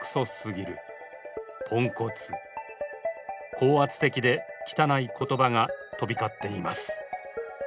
高圧的で汚い言葉が飛び交っています。